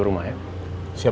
kemaran ma propag criminals